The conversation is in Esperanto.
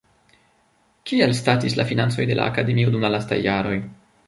Kiel statis la financoj de la Akademio dum la lastaj jaroj?